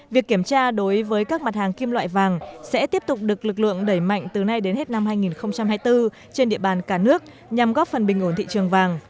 việc kiểm tra đối với các mặt hàng kim loại vàng sẽ tiếp tục được lực lượng đẩy mạnh từ nay đến hết năm hai nghìn hai mươi bốn trên địa bàn cả nước nhằm góp phần bình ổn thị trường vàng